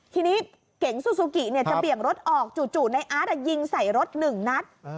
ทีนี้เก๋งซูซูกิเนี่ยจะเบี่ยงรถออกจู่จู่ในอาร์ตอ่ะยิงใส่รถหนึ่งนัด